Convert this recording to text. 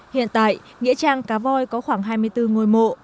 hiện tại nghĩa trang cá voi có khoảng hai mươi bốn ngôi mộ